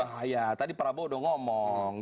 berbahaya tadi prabowo udah ngomong